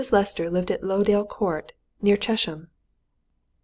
Lester lived at Lowdale Court, near Chesham.